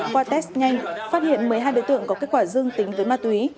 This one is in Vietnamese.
qua test nhanh phát hiện một mươi hai đối tượng có kết quả dương tính với ma túy